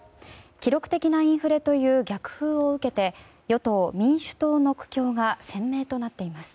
記録的なインフレという逆風を受けて与党・民主党の苦境が鮮明となっています。